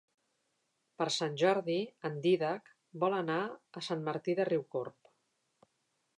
Per Sant Jordi en Dídac vol anar a Sant Martí de Riucorb.